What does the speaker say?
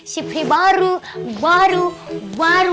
suprih baru baru baru